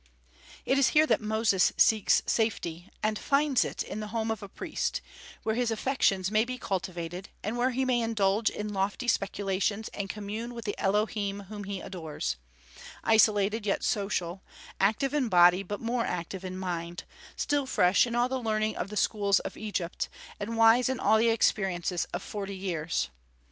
It is here that Moses seeks safety, and finds it in the home of a priest, where his affections may be cultivated, and where he may indulge in lofty speculations and commune with the Elohim whom he adores; isolated yet social, active in body but more active in mind, still fresh in all the learning of the schools of Egypt, and wise in all the experiences of forty years.